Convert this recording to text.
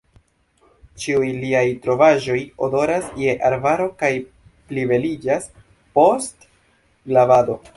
Ĉiuj liaj trovaĵoj odoras je arbaro kaj plibeliĝas post lavado.